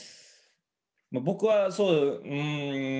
まあ僕はそううん。